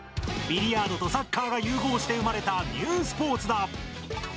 ビリヤードとサッカーが融合して生まれたニューポーツだ。